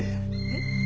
えっ？